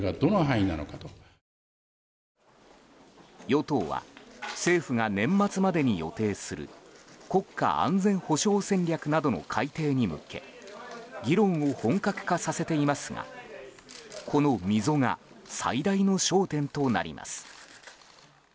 与党は政府が年末までに予定する国家安全保障戦略などの改定に向け議論を本格化させていますがこの溝が最大の焦点となります。